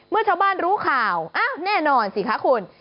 เมื่อชาวบ้านรู้ข่าวแน่นอนสิคะคุณ